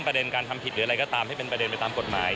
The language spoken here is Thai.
ประเด็นการทำผิดหรืออะไรก็ตามให้เป็นประเด็นไปตามกฎหมาย